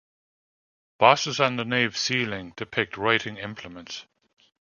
Bosses on the nave's ceiling depict writing implements.